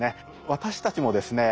私たちもですね